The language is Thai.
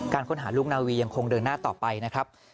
ค้นหาลูกนาวียังคงเดินหน้าต่อไปนะครับ